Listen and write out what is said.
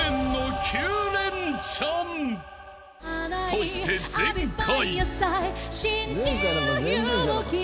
［そして前回］